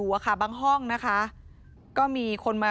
ว่ายังไง